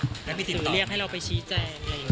เขาเรียกให้เราไปชี้แจ